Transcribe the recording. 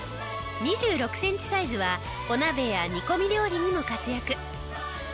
２６センチサイズはお鍋や煮込み料理にも活躍。